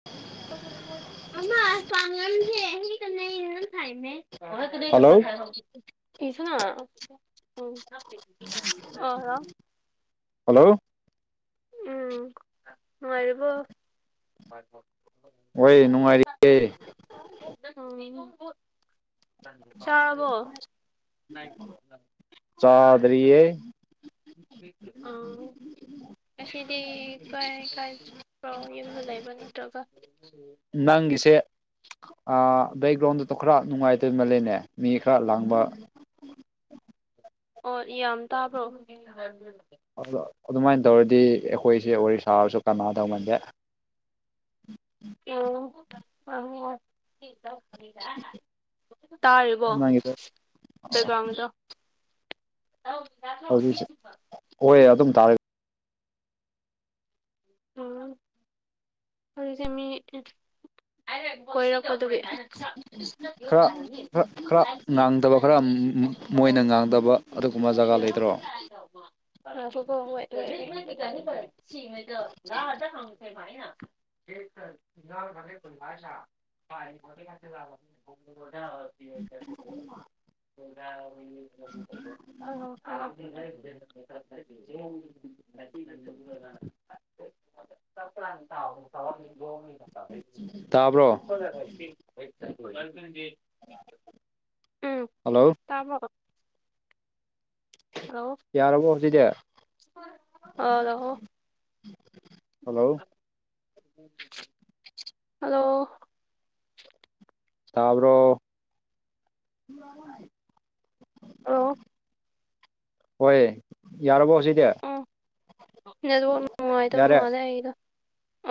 [unintelligible] hello [unintelligible] [unintelligible] hello ꯎꯝ ꯅꯨꯡꯉꯥꯏꯔꯤꯕꯣ ꯍꯣꯏ ꯅꯨꯡꯉꯥꯏꯔꯤꯌꯦ [unintelligible] ꯆꯔꯕꯣ ꯆꯥꯗ꯭ꯔꯤꯌꯦ [unintelligible] ꯑꯥ ꯉꯁꯤꯗꯤ ꯀꯥꯏ ꯀꯥꯏ ꯆꯠꯄꯥ ꯌꯨꯝꯗ ꯂꯩꯕ ꯅꯠꯇ꯭ꯔꯥꯒ ꯅꯪꯒꯤꯁꯦ ꯕꯦꯛꯒ꯭ꯔꯥꯎꯟꯗꯨꯗꯣ ꯈꯔ ꯅꯨꯡꯉꯥꯏꯇꯦ ꯃꯜꯂꯤꯅꯦ ꯃꯤ ꯈꯔ ꯂꯥꯡꯕ ꯑꯣ ꯌꯥꯝ ꯇꯥꯕ꯭ꯔꯣ ꯑꯗꯨꯃꯥꯏꯅ ꯇꯧꯔꯗꯤ ꯑꯩꯈꯣꯏꯁꯦ ꯁꯥꯔꯁꯨ ꯀꯅꯥ [unintelligible] [unintelligible] [unintelligible] ꯇꯥꯔꯤꯕꯣ ꯅꯪꯒꯤꯗꯣ ꯕꯦꯛꯒ꯭ꯔꯥꯎꯟꯗꯣ ꯍꯧꯖꯤꯛꯁꯦ ꯍꯣꯏ [unintelligible] ꯑꯗꯨꯝ ꯇꯥꯔꯦ ꯎꯝ ꯍꯧꯖꯤꯛꯁ‌ꯦ ꯃꯤ ꯂ‌ꯣꯏꯔꯛꯀꯗꯨꯔꯤ ꯈꯔ ꯈꯔ ꯈꯔ ꯉꯥꯡꯗꯕ ꯈꯔ [unintelligible] ꯃꯣꯏꯅ ꯉꯥꯡꯗꯕ ꯑꯗꯨꯒꯨꯝꯕ ꯖꯒꯥ ꯂꯩꯇ꯭ꯔꯣ ꯉꯥꯏꯈ‌ꯣꯀ‌ꯣ ꯋ‌ꯦꯠ ꯋ‌ꯦꯠ [unintelligible] [unintelligible] [unintelligible] [unintelligible] [unintelligible] [unintelligible] ꯇꯥꯕ꯭ꯔꯣ [unintelligible] ꯎꯝ ꯍꯜꯂꯣ ꯇꯥꯕ꯭ꯔꯣ ꯍꯜꯂꯣ ꯌꯥꯔꯕꯣ ꯍꯧꯖꯤꯛꯇꯤ ꯍꯜꯂꫭ ꯍꯜꯂꯣ ꯍꯜꯂꯣ ꯇꯥꯕ꯭ꯔꯣ ꯑꯣ ꯍꯣꯏ ꯌꯥꯔꯕꯣ ꯁꯤ ꯎꯝ ꯅ‌ꯦꯠꯋꯥꯛ‌ ꯅꯨꯡꯉꯥꯏꯇꯕ ꯌꯥꯔꯦ ꯃꯥꯜꯂꯦ ꯑꯩꯒꯤꯗ‌ꯣ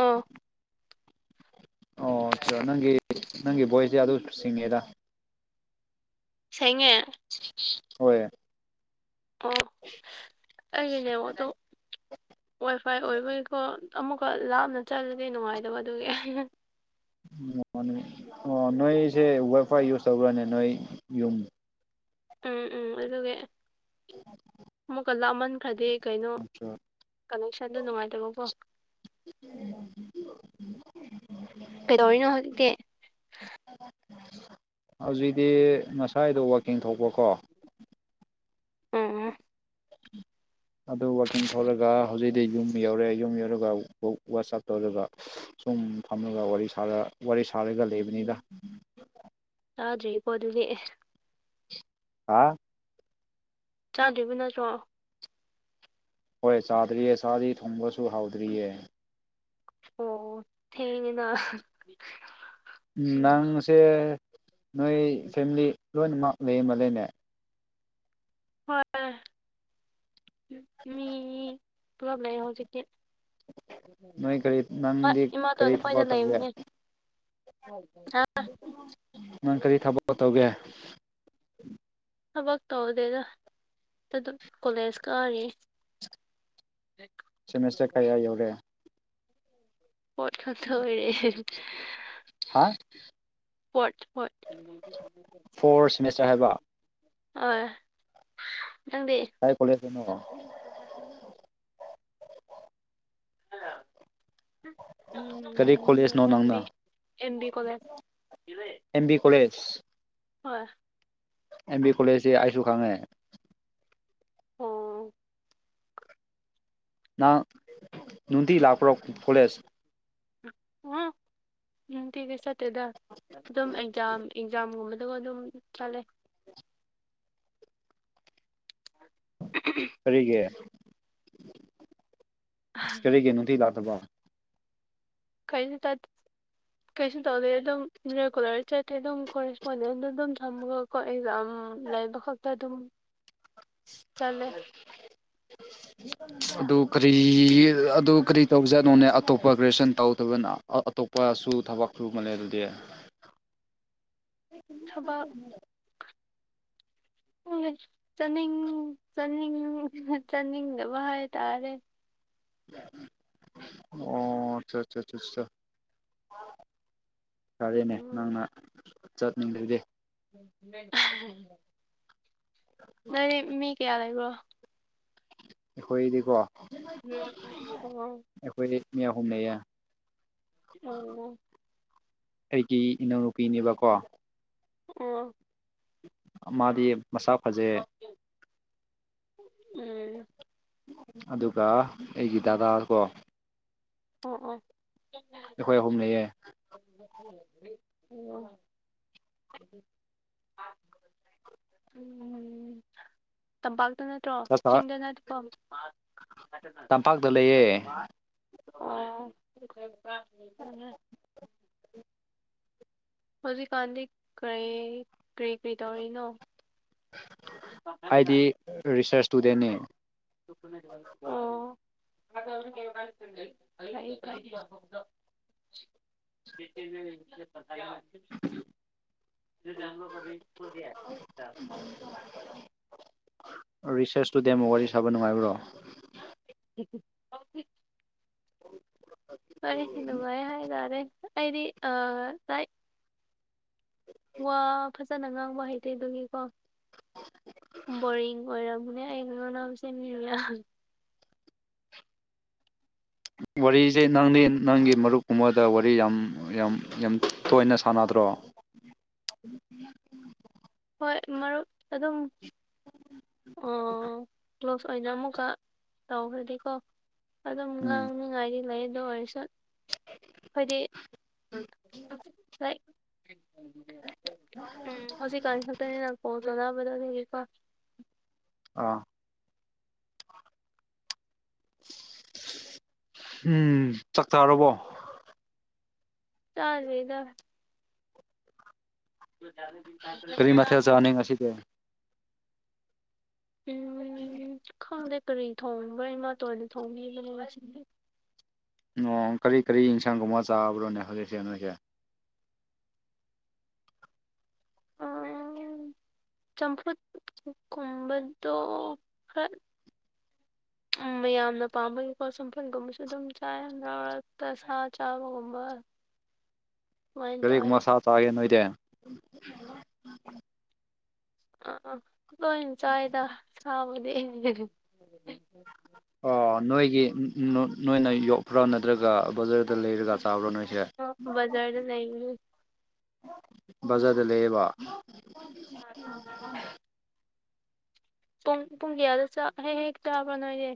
ꯑꯥ ꯑꯣ ꯑꯆꯥ ꯅꯪꯒꯤ ꯅꯪꯒꯤ ꯚꯣꯏꯁꯗꯤ ꯑꯗꯨꯝ ꯁꯤꯡꯉꯦꯗ ꯁꯦꯡꯉꯦ ꯍꯣꯏ ꯑꯣ ꯑꯩꯒꯤ ꯅꯦꯠꯋꯥꯛꯗꯣ ꯋꯥꯏ ꯐꯥꯏ ꯑꯣꯏꯕꯩꯀꯣ ꯑꯃꯨꯛꯀ ꯂꯥꯞꯅ ꯆꯠꯂꯗꯤ ꯅꯨꯡꯉꯥꯏꯇꯕ ꯑꯗꯨꯒꯤ ꯑꯣ ꯑꯣ ꯅꯣꯏꯁꯦ ꯋꯥꯏ ꯐꯥꯏ ꯌꯨꯁ ꯇꯧꯕ꯭ꯔꯅ‌ꯦ ꯅꯣꯏ ꯌꯨꯝ ꯎꯝ ꯎꯝ ꯑꯗꯨꯒꯤ ꯑꯃꯨꯛꯀ ꯂꯥꯞꯃꯟꯈ꯭ꯔꯗꯤ ꯀꯩꯅꯣ ꯀꯅꯦꯛꯁꯟꯗ‌ꯣ ꯅꯨꯡꯉꯥꯏꯇꯕꯀ‌ꯣ [unintelligible] ꯀꯩꯗꯧꯔꯤꯅꯣ ꯍꯧꯖꯤꯛꯇꯤ ꯍꯧꯖꯤꯛꯗꯤ ꯉꯁꯥꯏꯗꯣ ꯋꯥꯛꯀꯤꯡ ꯊꯣꯛꯄꯀꯣ ꯎꯝ ꯑꯗꯨ ꯋꯥꯛꯀꯤꯡ ꯊ‌ꯣꯛꯔꯒ ꯍꯧꯖꯤꯛꯗꯤ ꯌꯨꯝ ꯌꯧꯔꯦ ꯌꯨꯝ ꯌꯧꯔꯒ ꯋꯥ ꯋꯥ ꯋꯥꯆꯞ ꯇꯧꯔꯒ ꯁꯨꯝ ꯐꯝꯃꯒ ꯋꯥꯔꯤ ꯁꯥꯔ ꯋꯥꯔꯤ ꯁꯥꯔꯒ ꯂꯩꯕꯅꯤꯗ ꯆꯥꯗ꯭ꯔꯤꯀꯣ ꯑꯗꯨꯗꯤ ꯑꯦ ꯍꯥ ꯆꯥꯗ꯭ꯔꯤꯕ ꯅꯠꯇ꯭ꯔꯣ ꯍꯣꯏ ꯆꯥꯗ꯭ꯔꯤꯌꯦ ꯆꯥꯗꯤ ꯊꯣꯡꯕꯁꯨ ꯍꯥꯎꯗ꯭ꯔꯤꯌꯦ ꯑꯣ ꯊꯦꯡꯉ‌ꯦꯅꯥ ꯎꯝ ꯅꯪꯁꯦ ꯅꯣꯏ ꯐꯦꯃꯤꯂꯤ ꯂꯣꯏꯅꯃꯛ ꯂꯩ ꯃꯥꯜꯂ‌ꯦꯅꯦ ꯍꯣꯏ ꯃꯤ ꯄꯨꯂꯞ ꯂꯩ ꯍꯧꯖꯤꯛꯇꯤ ꯅꯣꯏ ꯀꯔꯤ ꯍ‌ꯣꯏ ꯅꯪꯗꯤ ꯏꯃꯥꯇꯣꯟ ꯀꯔꯤ ꯍ‌ꯣꯏꯗ ꯊꯕꯛ ꯇꯧꯒꯦ ꯂꯩꯕꯅꯦ [inaudible] ꯅꯪ ꯀꯔꯤ ꯊꯕꯛ ꯇꯧꯒꯦ ꯊꯕꯛ ꯇꯧꯗꯦꯗ ꯑꯗꯨ ꯀꯣꯂꯦꯖ ꯀꯥꯔꯤ [unintelligible] ꯁꯦꯃꯦꯁꯇꯔ ꯀꯌꯥ ꯌꯧꯔꯦ ꯄꯣꯠ ꯈꯛꯊꯥꯕꯤꯔ‌ꯦ [unintelligible] ꯍꯥ ꯄ‌ꯣꯔꯠ ꯍꯣꯏ ꯐꯣꯔ ꯁꯦꯃꯦꯁꯇꯔ ꯍꯥꯏꯕ [unintelligible] ꯅꯪꯗꯤ ꯀꯥꯢ ꯀꯣꯂꯦꯖꯇꯅꯣ [unintelligible] ꯀꯔꯤ ꯎꯝ ꯀꯣꯂꯦꯖꯅꯣ ꯅꯪꯅ M B college M B college ꯍꯣꯏ ꯑꯦꯝ ꯕꯤ ꯀꯣꯂꯦꯖꯇꯤ ꯑꯩꯁꯨ ꯈꯪꯉꯦ ꯑꯣ ꯅꯪ ꯅꯨꯡꯇꯤ ꯂꯥꯛꯄ꯭ꯔꯣ ꯀ‌ꯣꯂꯦꯖ ꯎꯝ ꯅꯨꯡꯇꯤꯒꯤ ꯆꯠꯇꯦꯗ ꯑꯗꯨꯝ ꯑꯦꯛꯖꯥꯝ ꯑꯦꯛꯖꯥꯝꯒꯨꯝꯕ ꯑꯗꯨꯒ ꯑꯗꯨꯝ ꯆꯠꯂꯦ [unintelligible] ꯀꯔꯤꯒꯤ ꯀꯔꯤꯒꯤ ꯅꯨꯡꯇꯤ ꯂꯥꯛꯇꯕ ꯀꯩꯁꯨ ꯇꯠ ꯀꯩꯁꯨ ꯇꯧꯗꯦ ꯑꯗꯨꯝ ꯔꯦꯒꯨꯂꯔ ꯆꯠꯇꯦ ꯑꯗꯨꯝ ꯀꯣ ꯔꯦꯁꯄꯣꯟꯗꯦꯟꯗ ꯑꯗꯨꯝ ꯊꯝꯃꯒꯀꯣ ꯑꯦꯛꯖꯥꯝ ꯂꯩꯕ [unintelligible] ꯆꯠꯂꯦ ꯑꯗꯨ ꯀꯔꯤ ꯑꯗꯨ ꯀꯔꯤ ꯇꯧꯖꯠꯅꯨꯅꯦ ꯑꯇꯣꯞꯄ ꯒ꯭ꯔꯦꯖꯨꯌꯦꯁꯟ ꯇꯧꯗꯕꯅ ꯑꯇꯣꯞꯄꯁꯨ ꯊꯕꯛ ꯁꯨꯕ ꯁꯨꯃꯜꯂ‌ꯦ ꯑꯗꯨꯗꯤ ꯊꯕꯛ ꯍꯣꯏ ꯆꯠꯅꯤꯡ ꯆꯠꯅꯤꯡ ꯆꯠꯅꯤꯡꯗꯕ ꯍꯥꯏꯇꯥꯔꯦ ꯑꯣ ꯑꯆꯥ ꯑꯠꯆꯥ ꯐꯔꯦꯅꯦ ꯎꯝ ꯅꯪꯅ ꯆꯠꯅꯤꯡꯗ꯭ꯔꯗꯤ ꯅꯣꯏꯗꯤ ꯃꯤ ꯀꯌꯥ ꯂꯩꯕ꯭ꯔꯣ ꯑꯩꯈꯣꯏꯗꯤꯀꯣ ꯑꯣ ꯑꯩꯈꯣꯏꯗꯤ ꯃꯤ ꯑꯍꯨꯝ ꯂꯩꯌꯦ ꯑꯣ ꯑꯩꯒꯤ ꯏꯅꯥꯎꯅꯨꯄꯤꯅꯦꯕꯀꯣ ꯑꯣ ꯃꯥꯗꯤ ꯃꯁꯥ ꯐꯖꯩ ꯎꯝ ꯑꯗꯨꯒ ꯑꯩꯒꯤ ꯗꯥꯗꯥ ꯀꯣ ꯑꫭ ꯑꫭ ꯑꯩꯈꯣꯏ ꯑꯍꯨꯝ ꯂꯩꯌꯦ ꯑꯣ ꯎꯝ ꯇꯝꯄꯥꯛꯇ ꯅꯠꯇ꯭ꯔꯣ ꯆꯥꯛ ꯆꯥ ꯆꯤꯡꯗ ꯅꯠꯇ꯭ꯔꯣ ꯇꯝꯄꯥꯛꯇ ꯂꯩꯌꯦ ꯑꯣ ꯍꯧꯖꯤꯛꯀꯥꯟꯗꯤ ꯀꯔꯤ ꯀꯔꯤ ꯀꯔꯤ ꯇꯧꯔꯤꯅꯣ ꯑꯩꯗꯤ ꯔꯤꯁ꯭ꯔꯁ ꯑꯣ ꯐꯩ ꯐꯩ [unintelligible] [unintelligible] ꯔꯤꯁ꯭ꯔꯁꯇꯨꯗꯤ ꯋꯥꯔꯤ ꯁꯥꯕ ꯅꯨꯡꯉꯥꯏꯕ꯭ꯔꯣ [unintelligible] [inaudible] ꯋꯥꯔꯤꯁꯦ ꯅꯨꯡꯉꯥꯏ ꯍꯥꯏꯇꯥꯔꯦ ꯑꯩꯗꯤ ꯑꯥ ꯋꯥ ꯐꯖꯅ ꯉꯥꯡꯕ ꯍꯩꯇꯦ ꯑꯗꯨꯒꯤꯀꯣ ꯕꯣꯔꯤꯡ ꯑꯣꯏꯔꯝꯒꯅꯤ ꯑꯩ ꯉꯔꯥꯡ ꯁꯦꯝꯃꯤꯕ ꯃꯌꯥꯝ ꯋꯥꯔꯤꯁꯦ ꯅꯪꯗꯤ ꯅꯪꯒꯤ ꯃꯔꯨꯞ ꯀꯨꯝꯕꯗ ꯋꯥꯔꯤ ꯌꯥꯝ ꯌꯥꯝ ꯌꯥꯝ ꯇꯣꯏꯅ ꯁꯥꯟꯅꯗ꯭ꯔꯣ ꯍꯣꯏ ꯃꯔꯨꯞ ꯑꯗꯨꯝ ꯑꯣ ꯀ꯭ꯂꯣꯁ ꯑꯣꯏꯅ ꯑꯃꯨꯛꯀ ꯇꯧꯈꯔ꯭ꯒꯦꯀꯣ ꯑꯗꯨꯝ ꯎꯝ ꯉꯥꯡꯅꯤꯡꯉꯥꯏꯗꯤ ꯂꯩ ꯑꯗꯨ ꯑꯣꯏꯔꯁꯨ ꯍꯥꯏꯣꯏꯗꯤ [unintelligible] ꯎꯝ ꯍꯧꯖꯤꯛꯀꯥꯟ ꯈꯛꯇꯅꯤꯅ ꯀꯣꯟ ꯇꯧꯅꯕꯗꯣ ꯑꯗꯨꯒꯤ ꯀꯣ ꯑꯥ ꯍꯝ ꯆꯥꯛ ꯆꯥꯔꯕꯣ ꯆꯥꯗ꯭ꯔꯤꯗ [unintelligible] ꯀꯔꯤ ꯃꯊꯦꯜ ꯎꯝ ꯆꯥꯅꯤ ꯉꯥꯁꯤꯗꯤ ꯎꯝ ꯈꯪꯗꯦ ꯀꯔꯤ ꯊꯣꯡꯕ꯭ꯔꯥ ꯏꯃꯥꯇꯣꯟꯅ ꯊꯣꯡꯕꯤꯕꯅꯦ ꯉꯁꯤꯗꯤ ꯑꯣ ꯀꯔꯤ ꯀꯔꯤ ꯌꯦꯟꯁꯥꯡꯒꯨꯝꯕ ꯆꯥꯕ꯭ꯔꯅꯦ ꯍꯧꯖꯤꯛꯁꯦ ꯅꯣꯏꯁ [unintelligible] ꯆꯝꯐꯨꯠ ꯀꯨꯝꯕꯗꯣ ꯈꯔ ꯃꯌꯥꯝꯅ ꯄꯥꯝꯕ [unintelligible] ꯁꯝꯐꯩꯒꯨꯝꯕꯁꯨ ꯑꯗꯨꯝ ꯆꯥꯏ [unintelligible] ꯁꯥ ꯆꯥꯕꯒꯨꯝꯕ [inaudible] ꯁꯨꯃꯥꯏꯅ ꯇꯧꯋꯦ ꯀꯔꯤꯒꯨꯝꯕ ꯁꯥ ꯆꯥꯒꯦ ꯅꯣꯏꯗꯤ ꯑ ꯂꯣꯏ ꯆꯥꯏꯗ ꯁꯥꯕꯨꯗꯤ ꯑꯣ ꯅꯣꯏꯒꯤ ꯅꯣ ꯅꯣꯏꯅ ꯌꯣꯛꯄ꯭ꯔꯥ ꯅꯠꯇ꯭ꯔꯒ ꯕꯖꯥꯔꯗ ꯂꯩꯔꯒ ꯆꯥꯕ꯭ꯔꯥ ꯅꯣꯏꯁꯦ ꯑ ꯕꯥꯖꯔ ꯗꯥ ꯂꯩꯏ ꯕꯖꯥꯔꯗ ꯂꯩꯌꯦꯕ ꯑꯥ ꯄꯨꯡ ꯄꯨꯡ ꯀꯌꯥꯗ ꯆꯥꯛ ꯍꯦꯛ ꯍꯦꯛ ꯆꯥꯕ꯭ꯔꯥ ꯅꯣꯏꯗꯤ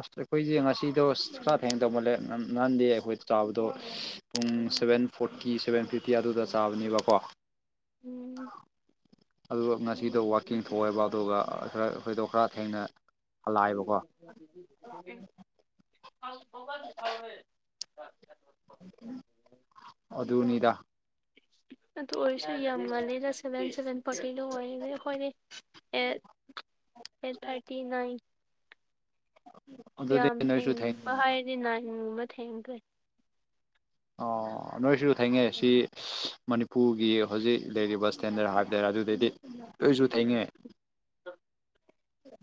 ꯑꯁ ꯑꯩꯈꯣꯏꯁꯦ ꯉꯁꯤꯗꯣ ꯈꯔ ꯊꯦꯡ ꯇꯧꯃꯜꯂꯦ ꯅ ꯅꯍꯥꯟꯗꯤ ꯑꯩꯈꯣꯏ ꯆꯥꯕꯗꯣ ꯄꯨꯡ ꯁꯚꯦꯟ ꯐꯣꯔꯇꯤ ꯁꯚꯦꯟ ꯐꯤꯞꯇꯤ ꯑꯗꯨꯗ ꯆꯥꯕꯅꯦꯕꯀꯣ ꯎꯝ ꯑꯗꯨꯒ ꯉꯁꯤꯗꯣ ꯋꯥꯛꯀꯤꯡ ꯊꯣꯛꯑꯦꯕ ꯑꯗꯨꯒ ꯑ ꯈꯔ ꯑꯩꯈꯣꯏꯗꯣ ꯈꯔ ꯊꯦꯡꯅ ꯍꯜꯂꯛꯑꯦꯕꯀꯣ [unintelligible] ꯑꯗꯨꯅꯤꯗꯥ ꯑꯗꯨ ꯑꯣꯏꯔꯁꯨ ꯌꯥꯝ ꯃꯥꯂꯦꯗ ꯁꯚꯦꯟ ꯁꯚꯦꯟ [unintelligible] [unintelligible] [unintelligible] ꯑꯗꯨꯗꯤ ꯌꯥꯝ ꯅꯣꯏꯁꯨ ꯊꯦꯡꯕ ꯊꯦꯡꯅꯤꯅꯦ ꯍꯥꯏꯔꯗꯤ ꯅꯥꯏꯟꯒꯨꯝꯕ ꯊꯦꯡꯒ꯭ꯔꯦ ꯑꯣ ꯅꯣꯏꯁꯨ ꯊꯦꯡꯉꯦ ꯁꯤ ꯃꯅꯤꯄꯨꯔꯒꯤ ꯍꯧꯖꯤꯛ ꯂꯩꯔꯤꯕ ꯏꯁ꯭ꯇꯦꯟꯗꯔꯠ ꯍꯥꯏꯕ ꯇꯦꯔ ꯑꯗꯨꯗꯩꯗꯤ ꯑꯩꯁꯨ ꯊꯦꯡꯉꯦ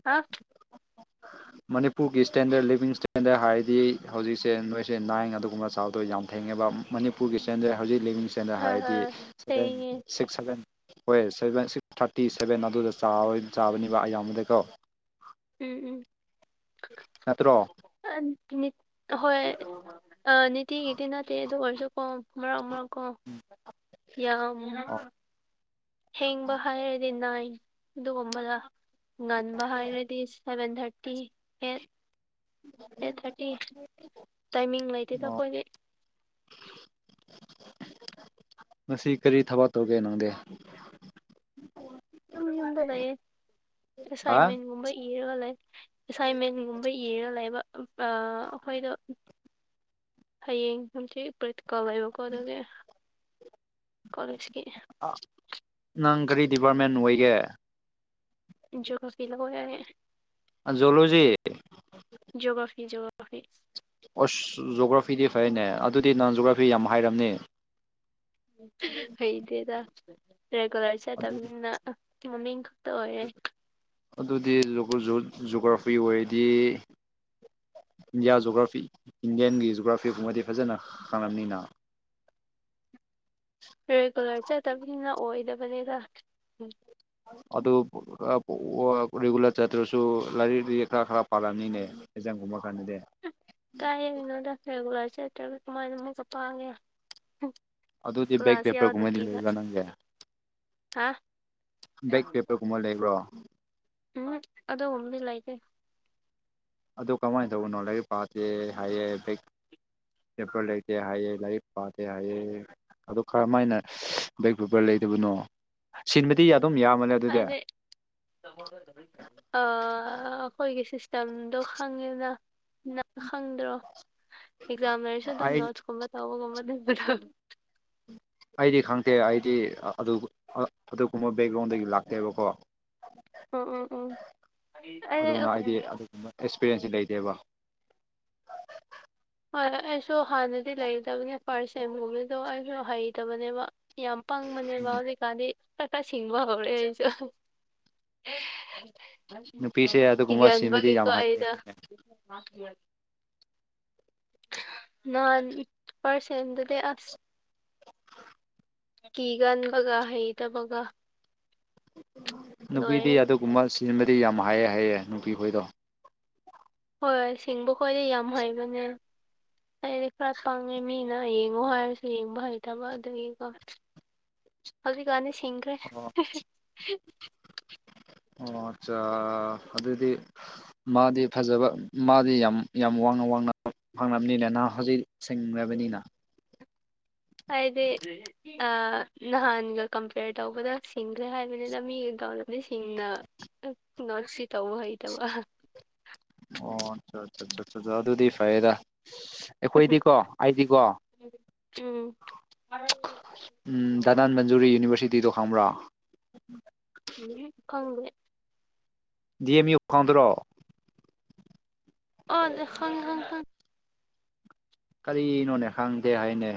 ꯍꯥ ꯃꯅꯤꯄꯨꯔꯒꯤ ꯏꯁꯇꯦꯟꯗꯔꯠ ꯂꯤꯕꯤꯡ ꯏꯁꯇꯦꯟꯗꯔꯠ ꯍꯥꯏꯔꯗꯤ ꯍꯧꯖꯤꯛꯁꯦ ꯅꯣꯏꯁꯦ ꯅꯥꯏꯟ ꯑꯗꯨꯒꯨꯝꯕ ꯆꯥꯎꯗꯣꯏ ꯌꯥꯝ ꯊꯦꯡꯉꯦꯕ ꯃꯅꯤꯄꯨꯔꯒꯤ ꯏꯁꯇꯦꯟꯗꯔ ꯍꯧꯖꯤꯛ ꯂꯤꯕꯤꯡ ꯏꯁꯇꯦꯟꯗꯔ ꯑꯥ ꯍꯥꯏꯔꯗꯤ ꯑꯥ ꯁꯕꯦꯟ ꯊꯦꯡꯉꯦ ꯁꯤ ꯁꯚꯦꯟ ꯍꯣꯏ ꯁꯚꯦꯟ ꯁꯤꯛꯁ ꯊꯥꯔꯇꯤ ꯁꯚꯦꯟ ꯑꯗꯨꯗ ꯆꯥꯕ ꯆꯥꯕꯅꯤꯕ ꯑꯌꯥꯝꯕꯗꯤꯀꯣ ꯎꯝ ꯎꯝ ꯅꯠꯇ꯭ꯔꯣ ꯑ ꯍꯣꯏ ꯑ ꯅꯤꯇꯤꯒꯤꯗꯤ ꯅꯠꯇꯦ ꯑꯣꯏꯔꯁꯨꯀꯣ ꯃꯔꯛ ꯃꯔꯛ ꯀꯣ ꯎꯝ [unintelligible] ꯌꯥꯝ ꯊꯦꯡꯕ ꯍꯥꯏꯔꯗꯤ ꯅꯥꯏꯟ ꯑꯗꯨꯒꯨꯝꯕꯗ ꯉꯟꯕ ꯍꯥꯏꯔꯗꯤ seven thirty eight eight thirty timing ꯂꯩꯇꯦꯗ ꯑꯣ ꯑꯩꯈꯣꯏꯗꯤ [inaudible] ꯉꯁꯤ ꯀꯔꯤ ꯊꯕꯛ ꯇꯧꯒꯦ ꯅꯪꯗꯤ ꯗꯨꯝ ꯌꯨꯝꯗ ꯂꯩꯌꯦ ꯍꯥ ꯑꯁꯥꯏꯟꯃꯦꯟꯒꯨꯝꯕ ꯏꯔꯒ ꯂꯩ ꯑꯦꯁꯥꯏꯟꯃꯦꯟꯒꯨꯝꯕ ꯏꯔ ꯂꯩꯕ ꯑ ꯑꯩꯈꯣꯏꯗꯣ ꯍꯌꯦꯡ ꯅꯨꯡꯊꯤꯜ ꯄ꯭ꯔꯦꯛꯇꯤꯀꯦꯜ ꯂꯩꯕꯀꯣ ꯑꯗꯨꯒꯤ ꯀꯣꯂꯦꯁꯀꯤ ꯑꯥ ꯅꯪ ꯀꯔꯤ ꯗꯤꯄꯥꯔꯠꯃꯦꯟ ꯑꯣꯏꯒꯦ ꯖꯣꯒ꯭ꯔꯥꯐꯤ ꯂꯧꯋꯦ ꯑꯖꯣꯂꯣꯖꯤ ꯖꯣꯒ꯭ꯔꯥꯐꯤ ꯖꯣꯒ꯭ꯔꯥꯐꯤ ꯑꯣꯁ ꯖꯣꯒ꯭ꯔꯥꯐꯤꯗꯤ ꯐꯩꯅꯦ ꯑꯗꯨꯗꯤ ꯅꯡ ꯖꯣꯒ꯭ꯔꯥꯐꯤ ꯌꯥꯝ ꯍꯥꯏꯔꯝꯅꯤ ꯍꯩꯇꯦꯗ ꯔꯦꯒꯨꯂꯔ ꯆꯠꯇꯕꯅꯤꯅ ꯃꯃꯤꯡ [unintelligible] ꯑꯗꯨꯗꯤ ꯖꯣꯛ ꯖꯣ ꯖꯣꯒ꯭ꯔꯥꯐꯤ ꯑꯣꯏꯔꯗꯤ ꯏꯟꯗꯤꯌꯥ ꯖꯣꯒ꯭ꯔꯥꯐꯤ ꯏꯟꯗꯤꯌꯥꯟꯒꯤ ꯖꯣꯒ꯭ꯔꯥꯐꯤ ꯒꯨꯝꯕꯗꯤ ꯐꯖꯅ ꯈꯡꯂꯝꯅꯤꯅ ꯔꯦꯒꯨꯂꯔ ꯆꯠꯇꯕꯅꯤꯅ ꯑꯣꯏꯗꯕꯅꯤꯗ ꯇꯥꯕ ꯉꯝꯗꯕ ꯑꯗꯨ ꯑ ꯔꯤꯒꯨꯂꯔ ꯆꯠꯇ꯭ꯔꯁꯨ ꯂꯥꯏꯔꯤꯛꯗꯤ ꯈꯔ ꯈꯔ ꯄꯥꯜꯔꯝꯅꯤꯅꯦ ꯑꯦꯛꯖꯥꯝꯒꯨꯝꯕꯥ ꯀꯥꯟꯗꯗꯤ ꯀꯥꯏꯗꯩꯩꯅꯣꯗ ꯔꯦꯒꯨꯂꯔ ꯆꯠꯇ꯭ꯔꯒ ꯀꯃꯥꯏꯅ ꯑꯃꯨꯛꯀ ꯄꯥꯡꯉꯦ ꯍꯨꯡ ꯑꯗꯨꯗꯤ ꯕꯦꯛ ꯄꯦꯄꯔ ꯒꯨꯝꯕꯗꯤ ꯂꯩꯕ꯭ꯔꯥ ꯅꯪꯒꯤ ꯍꯥ ꯕꯦꯛ ꯄꯦꯄꯔꯒꯨꯝꯕ ꯂꯩꯕ꯭ꯔꯣ ꯎꯝ ꯍꯨꯞ ꯑꯗꯨ ꯒꯨꯝꯕꯗꯤ ꯂꯩꯇꯦ ꯑꯗꯣ ꯀꯃꯥꯏ ꯇꯧꯕꯅꯣ ꯂꯥꯏꯔꯤꯛ ꯄꯥꯗꯦ ꯍꯥꯏꯌꯦ ꯕꯦꯛ ꯄꯦꯄꯔ ꯂꯩꯇꯦ ꯍꯥꯏꯌꯦ ꯂꯥꯏꯔꯤꯛ ꯄꯥꯗꯦ ꯍꯥꯏꯌꯦ ꯑꯗꯨ ꯀꯔꯝꯃꯥꯏꯅ ꯁꯁ ꯕꯦꯛ ꯕꯔ ꯂꯩꯇꯕꯅꯣ ꯁꯤꯟꯕꯗꯤ ꯑꯗꯨꯝ ꯌꯥꯝꯕꯅꯦ ꯑꯗꯨꯗꯤ ꯑꯥ ꯑꯈꯣꯏꯒꯤ ꯁꯤꯁꯇꯦꯝꯗꯣ ꯈꯪꯉꯦꯅ ꯅꯪ ꯈꯪꯗ꯭ꯔꯣ ꯑꯦꯛꯖꯥꯝ ꯂꯩꯔꯁꯨ ꯑꯗꯨꯝ ꯑꯩ ꯅꯣꯠꯁꯀꯨꯝꯕ ꯇꯧꯕꯒꯨꯝꯕ ꯂꯩꯕꯗꯣ ꯑꯩꯗꯤ ꯈꯪꯗꯦ ꯑꯩꯗꯤ ꯑ ꯑꯗꯨꯕꯨ ꯑ ꯑꯗꯨꯒꯨꯝꯕ ꯕꯦꯛꯒ꯭ꯔꯥꯎꯟꯗꯒꯤ ꯂꯥꯛꯇꯦꯕꯀꯣ ꯎꯝ ꯎꯝ ꯑꯩꯗꯤ ꯑꯈꯣꯏ ꯑꯦꯛꯁꯄꯤꯔꯤꯌꯦꯟꯁꯁꯤ ꯂꯩꯇꯦꯕ ꯍꯣꯏ ꯍꯣꯏ ꯑꯩꯁꯨ ꯍꯥꯟꯅꯗꯤ ꯂꯩꯇꯥꯕꯅꯦ ꯐꯥꯔꯁ ꯁꯦꯝꯒꯨꯝꯕꯗꯣ ꯑꯩꯁꯨ ꯍꯩꯇꯕꯅꯦꯕ ꯌꯥꯝ ꯄꯪꯕꯅꯦꯕ ꯍꯧꯖꯤꯛꯀꯥꯟꯗꯤ ꯈꯔ ꯈꯔ ꯁꯤꯡꯕ ꯍꯧꯔꯦ ꯑꯩꯖꯨ ꯍꯍ ꯅꯨꯄꯤꯁꯦ ꯑꯗꯨꯒꯨꯝꯕ ꯁꯤꯟꯕꯗꯤ ꯌꯥꯝ ꯀꯤꯒꯟꯕꯒꯤꯀꯣ ꯍꯥꯏ ꯑꯩꯗꯣ ꯅꯍꯥꯟ ꯐꯥꯔꯁ ꯁꯦꯝꯗꯗꯤ ꯑꯁ ꯀꯤꯒꯟꯕꯒꯥ ꯍꯩꯇꯕꯒ ꯅꯨꯄꯤꯗꯤ ꯂꯣꯏꯔꯦ ꯑꯗꯨꯒꯨꯝꯕ ꯁꯤꯟꯕꯗꯤ ꯌꯥꯝ ꯍꯩ ꯍꯥꯏꯌꯦ ꯅꯨꯄꯤ ꯈꯣꯏꯗꯣ ꯍꯣꯏ ꯁꯤꯡꯕ ꯈꯣꯏꯗꯤ ꯌꯥꯝ ꯍꯩꯕꯅꯦ ꯑꯩꯗꯤ ꯈꯔ ꯄꯪꯉꯦ ꯃꯤꯅ ꯌꯦꯡꯉꯣ ꯍꯥꯏꯔꯁꯨ ꯌꯦꯡꯕ ꯍꯩꯇꯕ ꯑꯗꯨꯒꯤꯀꯣ ꯍꯧꯖꯤꯛ ꯀꯥꯟꯗꯤ ꯁꯤꯡꯈ꯭ꯔꯦ ꯑꯣ ꯍ ꯍ ꯑꯣ ꯑꯆꯥ ꯑꯗꯨꯗꯤ ꯃꯥꯛꯗꯤ ꯐꯖꯕ ꯃꯥꯛꯗꯤ ꯌꯥꯝ ꯌꯥꯝ ꯋꯥꯡꯅ ꯋꯥꯡꯅ ꯐꯪꯂꯝꯅꯤꯅ ꯅꯪ ꯍꯧꯖꯤꯛ ꯁꯤꯡꯔꯕꯅꯤꯅ ꯍꯥꯏꯗꯤ ꯑꯥ ꯅꯍꯥꯟꯒ ꯀꯝꯄꯦꯌꯔ ꯇꯧꯕꯗ ꯁꯤꯡꯈ꯭ꯔꯦ ꯍꯥꯏꯕꯅꯤꯗ ꯃꯤꯒ ꯇꯧꯅꯕꯗꯤ ꯁꯤꯡꯅ ꯅꯣꯠꯁꯤ ꯇꯧꯕ ꯍꯩꯇꯕ ꯑꯍ ꯑꯣ ꯑꯆꯥ ꯆꯥ ꯆꯥ ꯆꯥ ꯑꯗꯨꯗꯤ ꯐꯔꯦꯗ ꯑꯩꯈꯣꯏꯗꯤꯀꯣ ꯑꯩꯗꯤꯀꯣ ꯎꯝ ꯎꯝ ꯗꯅꯥꯟꯃꯟ ꯖꯨꯔꯤ ꯌꯨꯅꯤꯕꯔꯁꯤꯇꯤꯗꯣ ꯈꯪꯕ꯭ꯔꯣ ꯍꯨꯝ ꯍꯨꯝ ꯈꯪꯗꯦ ꯗꯤ ꯑꯦꯝ ꯌꯨ ꯈꯪꯗꯔꯣ [unintelligible] ꯀꯔꯤꯅꯣꯅꯦ ꯈꯪꯗꯦ ꯍꯥꯏꯅꯦ